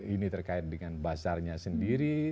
ini terkait dengan bazarnya sendiri